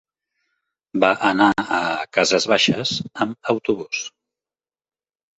Va anar a Cases Baixes amb autobús.